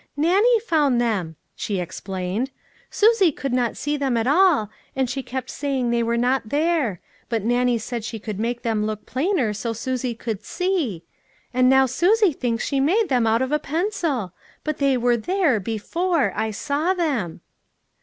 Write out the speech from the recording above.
"Nannie found them," she ex plained ;" Susie could not see them at all, and she kept saying they were not there ; but Nan nie said she would make them look plainer so Susie could see, and now Susie thinks she made them out of a pencil ; but they were there, be fore, I saw them."